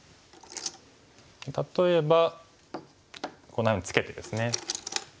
例えばこんなふうにツケてですね。